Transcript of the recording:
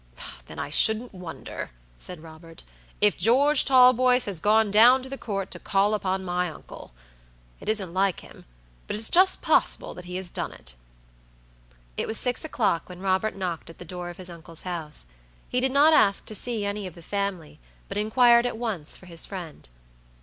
"Then I shouldn't wonder," said Robert, "if George Talboys has gone down to the Court to call upon my uncle. It isn't like him, but it's just possible that he has done it." It was six o'clock when Robert knocked at the door of his uncle's house. He did not ask to see any of the family, but inquired at once for his friend.